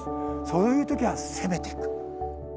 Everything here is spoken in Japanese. そういう時は攻めてく。